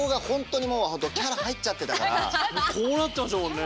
こうなってましたもんね。